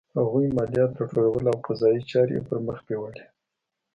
هغوی مالیات راټولول او قضایي چارې یې پرمخ بیولې.